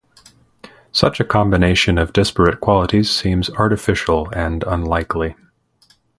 Such a combination of disparate qualities seems artificial and unlikely.